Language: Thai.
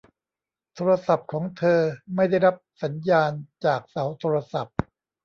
โทรศัพท์ของเธอไม่ได้รับสัญญาณจากเสาโทรศัพท์